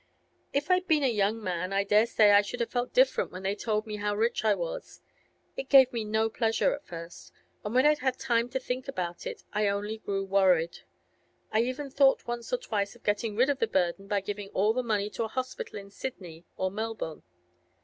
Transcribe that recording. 'If I'd been a young man, I dare say I should have felt different when they told me how rich I was; it gave me no pleasure at first, and when I'd had time to think about it I only grew worried. I even thought once or twice of getting rid of the burden by giving all the money to a hospital in Sydney or Melbourne.